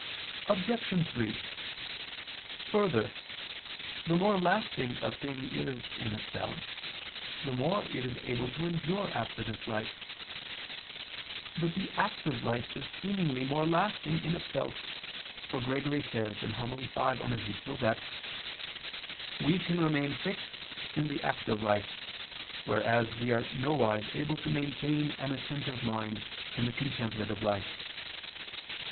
Obj. 3: Further, the more lasting a thing is in itself, the more is it able to endure after this life. But the active life is seemingly more lasting in itself: for Gregory says (Hom. v in Ezech.) that "we can remain fixed in the active life, whereas we are nowise able to maintain an attentive mind in the contemplative life."